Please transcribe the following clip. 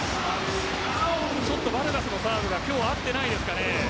ちょっとバルガスのサーブが今日は合っていないですかね。